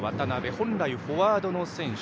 本来フォワードの選手。